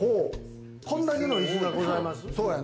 こんだけの椅子がございます。